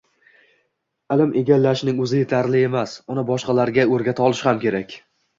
Ilm egallashning o‘zi yetarli emas, uni boshqalarga o‘rgata olish ham kerak.